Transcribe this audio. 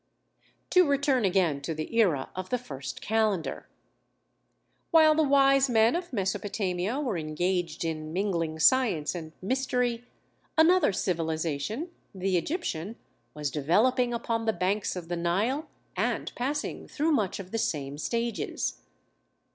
To return again to the era of the first calendar. While the wise men of Mesopotamia were engaged in mingling science and mystery, another civilization, the Egyptian, was developing upon the banks of the Nile and passing through much of the same stages.